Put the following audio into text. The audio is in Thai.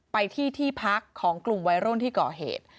ไปที่ที่พักของกลุ่มวัยรุ่นที่ก่อเหตุ